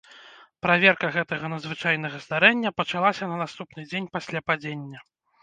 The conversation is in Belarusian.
Праверка гэтага надзвычайнага здарэння пачалася на наступны дзень пасля падзення.